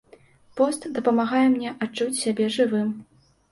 Пост дапамагае мне адчуць сябе жывым.